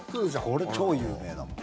これ、超有名だもん。